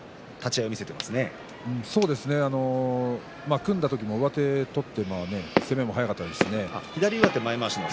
組んだ時も上手を取って攻めも速かったですね。